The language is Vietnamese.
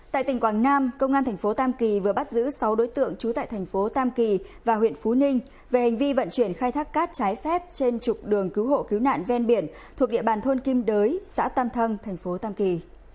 tại tỉnh quảng nam công an tp tam kỳ vừa bắt giữ sáu đối tượng trú tại tp tam kỳ và huyện phú ninh về hành vi vận chuyển khai thác cát trái phép trên trục đường cứu hộ cứu nạn ven biển thuộc địa bàn thôn kim đới xã tam thăng tp tam kỳ